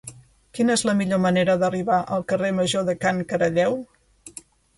Quina és la millor manera d'arribar al carrer Major de Can Caralleu?